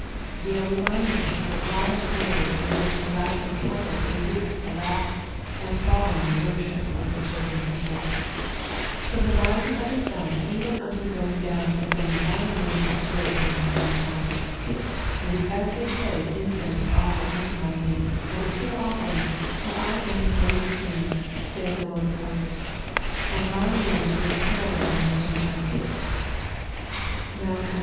We are reminded of the sublime words with which the last of the prophets rebuked the lax and slovenly vrorsbip of the chosen people :" From the rising d the sun even unto the going down of tbe same My Name is great among the Gentiles ; and in every place incense is offered unto My Name, and a pure offering, for I am a great King, saith the Lord of hosts, and My Name is terrible among the GentUes" (Mai.